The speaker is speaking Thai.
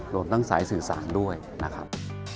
รวมทั้งสายสื่อสารด้วยนะครับ